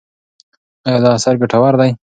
ایا دا اثر ګټور دی؟